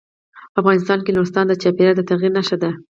افغانستان کې نورستان د چاپېریال د تغیر نښه ده.